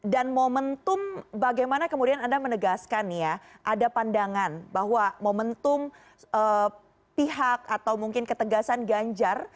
dan momentum bagaimana kemudian anda menegaskan ya ada pandangan bahwa momentum pihak atau mungkin ketegasan ganjar